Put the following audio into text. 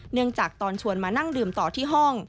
จากตอนชวนมานั่งดื่มต่อที่ห้อง